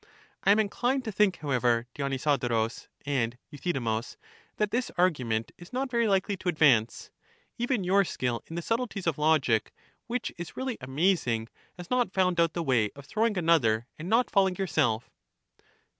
I am inclined to think, however, Dionysodorus and Euthydemus, that this argument is not very likely to advance: even your skill in the subtleties of logic, which is really amazing, has not found out the way of throwing another and not falling yourself.